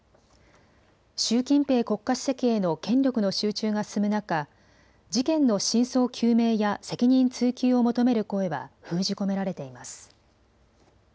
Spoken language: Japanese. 習近平国家主席への権力の集中が進む中、事件の真相究明や責任追及を求める声は封じ込められています。